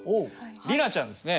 里奈ちゃんですね